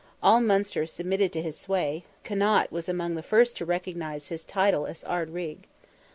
All Munster submitted to his sway; Connaught was among the first to recognise his title as Ard Righ.